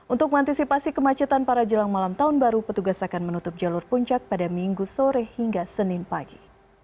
untuk mengantisipasi kemacetan para jelang malam tahun baru petugas akan menutup jalur puncak pada minggu sore hingga senin pagi